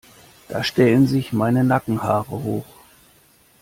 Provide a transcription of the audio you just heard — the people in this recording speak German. Da stellen sich meine Nackenhaare hoch.